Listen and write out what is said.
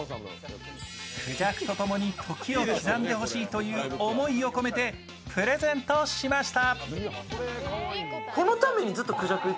クジャクとともに時を刻んでほしいという思いを込めてプレゼントしました。